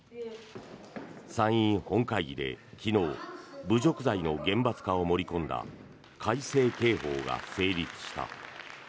参院本会議で昨日侮辱罪の厳罰化を盛り込んだ改正刑法が成立した。